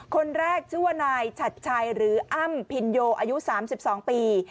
คนแรกชื่อว่านายชัดชัยหรืออ้ำพินโยอายุ๓๒ปี